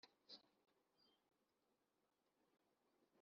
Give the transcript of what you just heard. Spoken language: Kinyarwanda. i maganda ya gahuriro